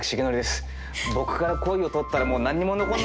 僕から恋を取ったらもう何にも残んないだろうな。